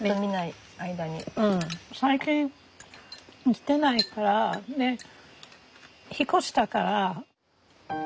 最近来てないから引っ越したから。